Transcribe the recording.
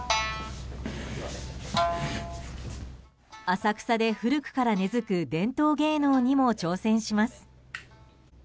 浅草で古くから根付く伝統芸能にも挑戦します。